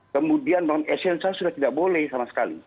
kemudian bangun esensial sudah tidak boleh sama sekali